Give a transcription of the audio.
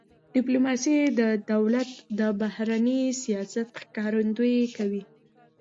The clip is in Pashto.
ډيپلوماسي د دولت د بهرني سیاست ښکارندویي کوي.